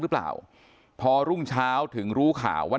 หรือเปล่าพอรุ่งเช้าถึงรู้ข่าวว่า